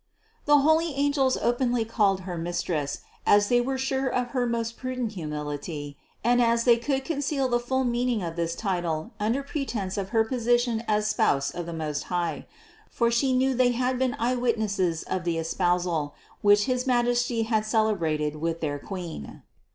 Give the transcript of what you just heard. The holy angels openly called Her Mistress, as they were sure of her most prudent humility and as they could conceal 560 CITY OF GOD the full meaning of this title under pretense of her posi tion as Spouse of the Most High ; for She knew that they had been eye witnesses of the espousal, which his Ma jesty had celebrated with their Queen.